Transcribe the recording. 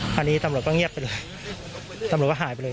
คราวนี้ตำรวจก็เงียบไปเลยตำรวจก็หายไปเลย